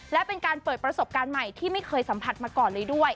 และเป็นการเปิดประสบการณ์ใหม่ที่ไม่เคยสัมผัสมาก่อนเลยด้วย